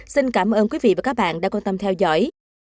xin cảm ơn quý vị và các bạn đã quan tâm theo dõi